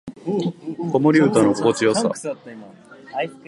子守唄の心地よさ